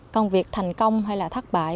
công việc thành công hay là thất bại